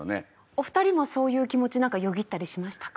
お二人もそういう気持ちよぎったりしましたか？